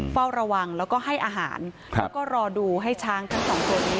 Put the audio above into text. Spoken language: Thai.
เฝ้าระวังแล้วก็ให้อาหารแล้วก็รอดูให้ช้างทั้งสองคนนี้